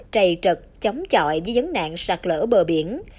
trầy trật chóng chọi với vấn nạn sạt lở bờ biển